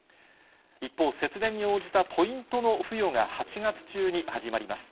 一方、節電に応じたポイントの付与が８月中に始まります。